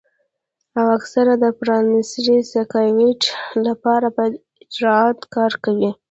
او اکثر د پرائمري سايکوپېت له پاره پۀ اجرت کار کوي